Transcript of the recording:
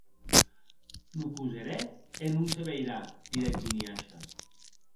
Lo coserè e non se veirà, didec Duniasha.